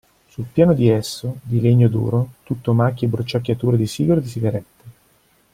Sul piano di esso, di legno duro, tutto macchie e bruciacchiature di sigaro e di sigarette.